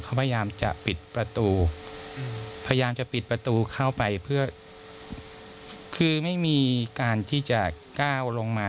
เขาพยายามจะปิดประตูพยายามจะปิดประตูเข้าไปเพื่อคือไม่มีการที่จะก้าวลงมา